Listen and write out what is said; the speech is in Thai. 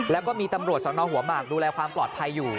แล้วก็มีตำรวจสนหัวหมากดูแลความปลอดภัยอยู่